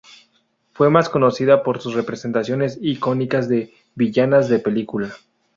Fue más conocida por sus representaciones "icónicas" de villanas de película.